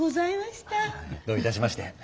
どういたしまして。